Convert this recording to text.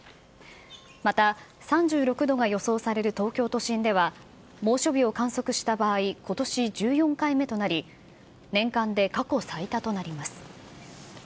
また３６度が予想される東京都心では、猛暑日を観測した場合、ことし１４回目となり、年間で過去最多となります。